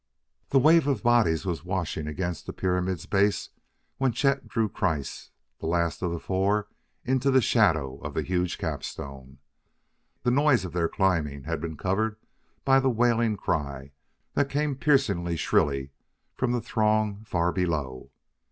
The wave of bodies was washing against the pyramid's base when Chet drew Kreiss, the last of the four, into the shadow of the huge capstone. The noise of their climbing had been covered by the wailing cry that came piercing shrilly from the throng far below.